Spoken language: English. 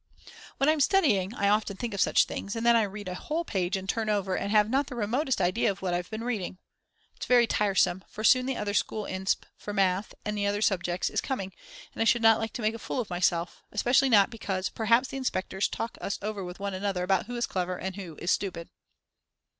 When I'm studying I often think of such things, and then I read a whole page and turn over and have not the remotest idea what I've been reading. It's very tiresome, for soon the other school insp. for maths. and the other subjects is coming, and I should not like to make a fool of myself; especially not because perhaps the inspectors talk us over with one another about who is clever and who stupid.